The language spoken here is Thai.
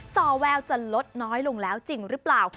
สอแววจะลดน้อยลงแล้วจริงหรือเปล่า